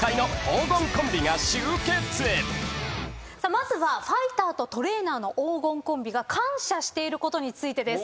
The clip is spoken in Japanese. まずはファイターとトレーナーの黄金コンビが感謝していることについてです。